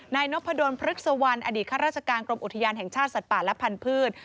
นายนพดลพฤกษวรรณอดีตข้าราชการกรมอุทยานแห่งชาติสัตว์ป่าและพันธุ์